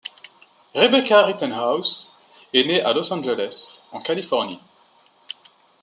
Rebecca Rittenhouse est née à Los Angeles en Californie.